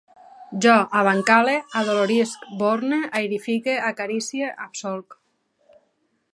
Jo abancale, adolorisc, borne, aerifique, acaricie, absolc